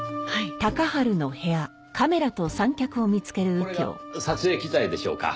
これが撮影機材でしょうか？